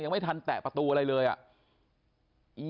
ยังไม่ทันจะแตะประตูอะไรเลย